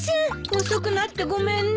遅くなってごめんね。